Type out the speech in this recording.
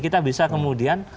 kita bisa kemudian